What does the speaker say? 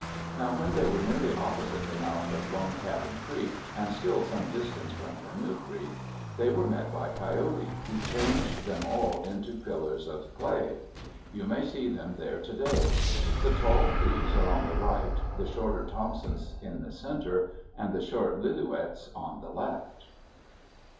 Now when they were nearly opposite the mouth of Lone Cabin Creek, and still some distance from Canoe Creek, they were met by Coyote, who changed them all into pillars of clay. You may see them there today. The tall Crees are on the right, the shorter Thompsons in the center, and the short Lillooets on the left.